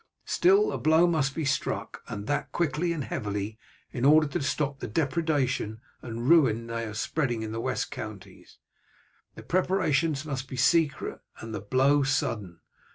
Still a blow must be struck, and that quickly and heavily in order to stop the depredation and ruin they are spreading in the west counties. The preparations must be secret and the blow sudden.